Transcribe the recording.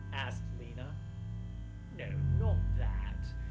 asked Lena. "No, not that.